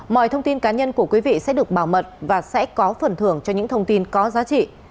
mọi thông tin cá nhân của quý vị sẽ được bảo mật và sẽ có phần thưởng cho những thông tin có giá trị